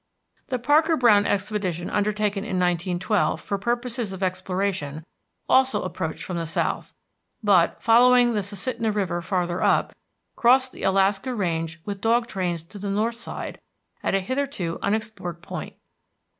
The Parker Browne expedition undertaken in 1912 for purposes of exploration, also approached from the south, but, following the Susitna River farther up, crossed the Alaska Range with dog trains to the north side at a hitherto unexplored point.